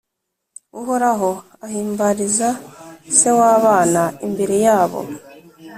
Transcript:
Uhoraho ahimbariza se w’abana imbere yabo